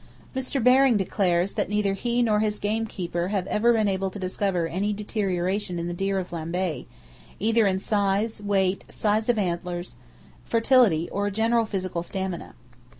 Mr. Baring declares that neither he nor his gamekeeper have ever been able to discover any deterioration in the deer of Lambay, either in size, weight, size of antlers, fertility or general physical stamina.